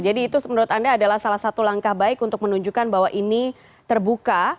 jadi itu menurut anda adalah salah satu langkah baik untuk menunjukkan bahwa ini terbuka